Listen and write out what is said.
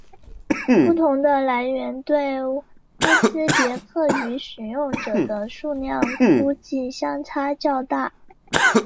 不同的来源对乌兹别克语使用者的数量估计相差较大。